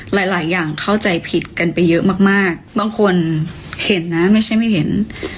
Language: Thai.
หลายอย่างเข้าใจผิดกันไปเยอะมากบางคนเห็นนะไม่ใช่ไม่เห็น